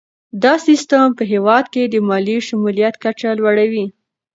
دا سیستم په هیواد کې د مالي شمولیت کچه لوړوي.